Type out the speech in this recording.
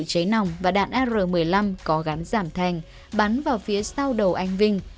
hỏng và đạn ar một mươi năm có gắn giảm thanh bắn vào phía sau đầu anh vinh